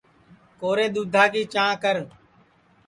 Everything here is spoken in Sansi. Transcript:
کورے دُؔدھا کی چانٚھ کر